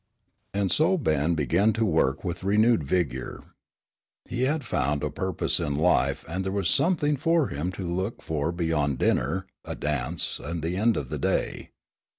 And so Ben began to work with renewed vigor. He had found a purpose in life and there was something for him to look for beyond dinner, a dance and the end of the day.